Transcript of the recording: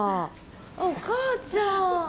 あっお母ちゃん。